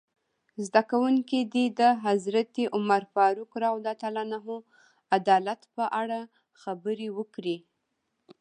زده کوونکي دې د حضرت عمر فاروق رض عدالت په اړه خبرې وکړي.